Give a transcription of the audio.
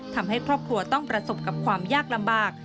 ทำให้ครอบครัวต้องประสบกับความยากลำบาก